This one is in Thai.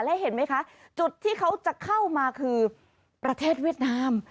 และเห็นไหมคะจุดที่เขาจะเข้ามาคือประเทศเวียดนาม